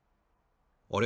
あれ？